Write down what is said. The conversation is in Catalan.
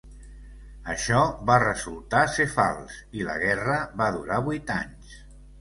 Això va resultar ser fals, i la guerra va durar vuit anys.